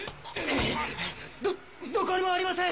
どどこにもありません！